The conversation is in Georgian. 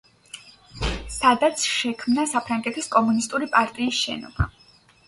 სადაც შექმნა საფრანგეთის კომუნისტური პარტიის შენობა.